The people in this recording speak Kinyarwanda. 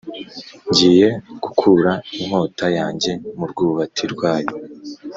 ngiye gukura inkota yanjye mu rwubati rwayo